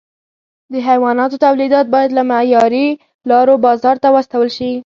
د حیواناتو تولیدات باید له معیاري لارو بازار ته واستول شي.